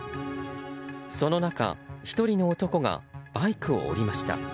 その中、１人の男がバイクを降りました。